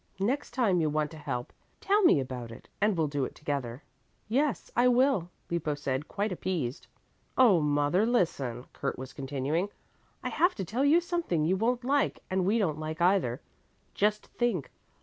Next time you want to help, tell me about it, and we'll do it together." "Yes, I will," Lippo said, quite appeased. "Oh, mother, listen!" Kurt was continuing. "I have to tell you something you won't like and we don't like either. Just think!